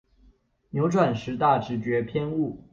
扭轉十大直覺偏誤